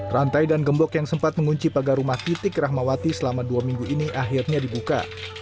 rantai dan gembok yang sempat mengunci pagar rumah titik rahmawati selama dua minggu ini akhirnya dibuka